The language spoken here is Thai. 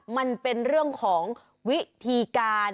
มันเป็นเรื่องของวิธีการ